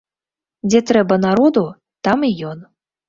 Дзе трэба народу, там і ён.